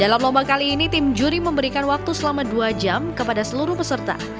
dalam lomba kali ini tim juri memberikan waktu selama dua jam kepada seluruh peserta